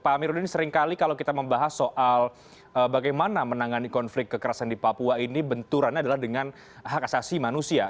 pak amiruddin seringkali kalau kita membahas soal bagaimana menangani konflik kekerasan di papua ini benturannya adalah dengan hak asasi manusia